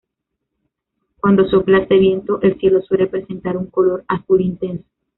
Cuando sopla este viento, el cielo suele presentar un color azul intenso.